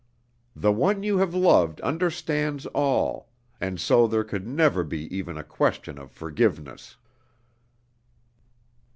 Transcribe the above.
The one you have loved understands all, and so there could never be even a question of forgiveness."